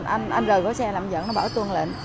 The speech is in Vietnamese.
anh rời có xe làm giận nó bảo tuân lệnh